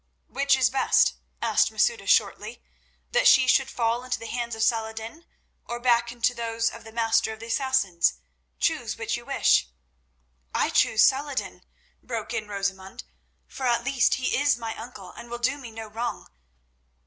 "Which is best?" asked Masouda shortly. "That she should fall into the hands of Salah ed din, or back into those of the master of the Assassins? Choose which you wish." "I choose Salah ed din," broke in Rosamund, "for at least he is my uncle, and will do me no wrong."